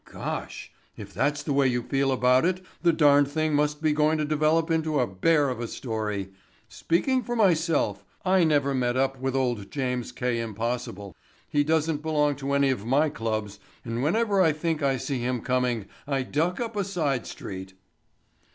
"Gosh, if that's the way you feel about it the darned thing must be going to develop into a bear of a story. Speaking for myself, I never met up with old James K. Impossible. He doesn't belong to any of my clubs and whenever I think I see him coming I duck up a side street."